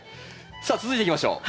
さあ続いていきましょう。